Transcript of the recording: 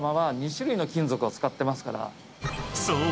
［そう。